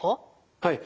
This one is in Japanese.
はい。